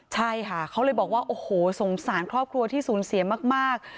ใช่ค่ะเขาเลยบอกว่าโอ้โหสงสารครอบครัวที่สูญเสียมาก